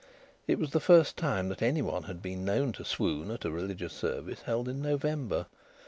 It was the first time that any one had been known to swoon at a religious service held in November.